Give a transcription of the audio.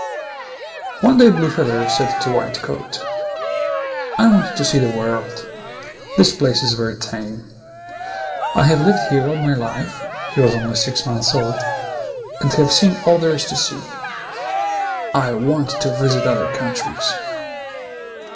One day Blue feather said to White coat, "I want to see the world. This place is very tame. I have lived here all my life (he was only six months old) and have seen all there is to see. I want to visit other countries."